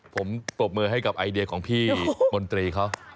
ผมปรบมือให้กับไอเดียของพี่มนตรีเขา